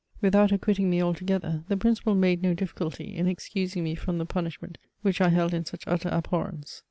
Without acquitting me altogether, the Principal made no difficulty in excusing me from the punishment which I held in such utter abhorrence.